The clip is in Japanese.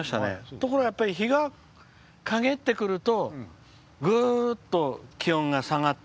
ところが日が陰ってくるとぐーっと気温が下がって。